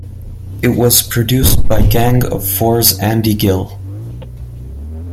It was produced by Gang of Four's Andy Gill.